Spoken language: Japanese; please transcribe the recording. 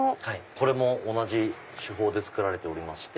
これも同じ手法で作られてまして。